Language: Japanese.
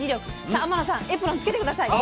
さあ天野さんエプロン着けて下さい。